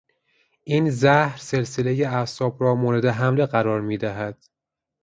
این زهر سلسلهی اعصاب را مورد حمله قرار میدهد.